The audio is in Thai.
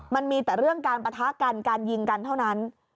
มันมีแต่เรื่องการปะทะกันการยิงกันเท่านั้น